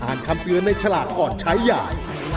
อ่านคำเตือนในฉลากก่อนใช้อย่าง